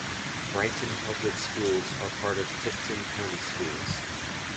Brighton Public Schools are part of Tipton County Schools.